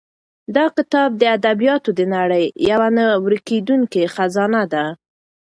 دا کتاب د ادبیاتو د نړۍ یوه نه ورکېدونکې خزانه ده.